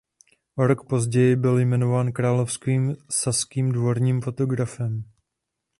O rok později byl jmenován "Královským saským dvorním fotografem".